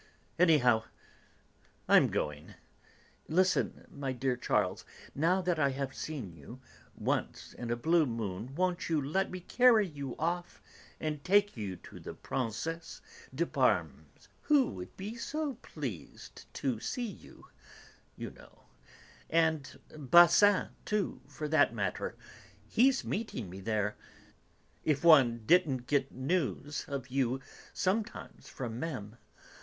Anyhow, I'm going. Listen, my dearest Charles, now that I have seen you, once in a blue moon, won't you let me carry you off and take you to the Princesse de Parme's, who would be so pleased to see you (you know), and Basin too, for that matter; he's meeting me there. If one didn't get news of you, sometimes, from Mémé...